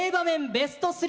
ベスト３！